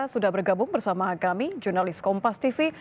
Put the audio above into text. sudah bergabung bersama kami jurnalis kompas tv